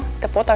cepat ya ya